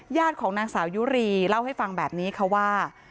ของนางสาวยุรีเล่าให้ฟังแบบนี้ค่ะว่า